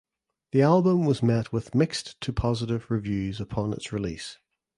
The album was met with mixed to positive reviews upon its release.